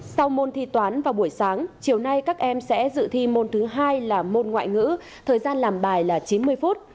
sau môn thi toán vào buổi sáng chiều nay các em sẽ dự thi môn thứ hai là môn ngoại ngữ thời gian làm bài là chín mươi phút